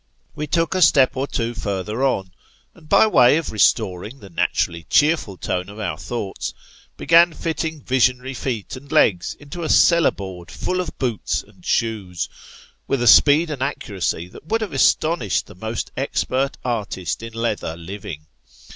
We took a step or two further on, and by way of restoring the naturally cheerful tone of our thoughts, began fitting visionary feet and legs into a cellar board full of boots and shoes, with a speed and accuracy that would have astonished the most expert artist in leather, living.